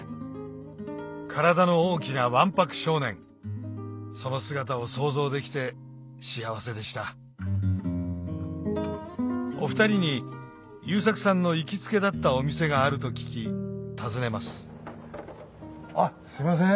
体の大きなわんぱく少年その姿を想像できて幸せでしたお２人に優作さんの行きつけだったお店があると聞き訪ねますあっすいません